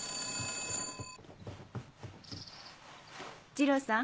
二郎さん